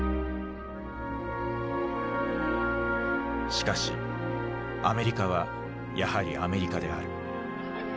しかしアメリカはやはりアメリカである。